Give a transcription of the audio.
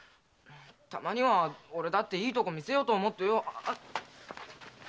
たまには俺だっていいとこ見せようと思ってよ。